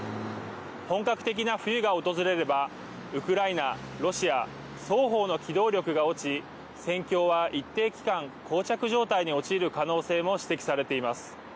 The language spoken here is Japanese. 本格的な冬が訪れればウクライナロシア双方の機動力が落ち戦況は一定期間こう着状態に陥る可能性も指摘されています。